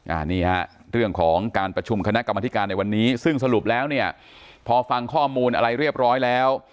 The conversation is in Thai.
อันนี้ฮะเรื่องของการประชุมคณะกรรมธิการในวันนี้ซึ่งสรุปแล้วเนี่ยพอฟังข้อมูลอะไรเรียบร้อยแล้ว